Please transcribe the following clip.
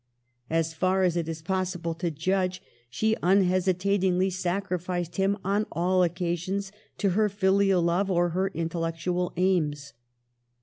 As far as it is possible to judge, she un hesitatingly sacrificed him on all occasions to her filial love or her intellectual aims.